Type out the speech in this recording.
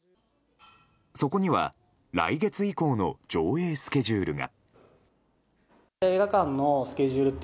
そこには来月以降の上映スケジュールが。